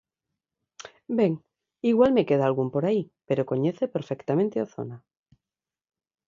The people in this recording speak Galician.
Ben, igual me queda algún por aí; pero coñece perfectamente a zona.